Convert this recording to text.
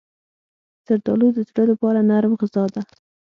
زردالو د زړه لپاره نرم غذا ده.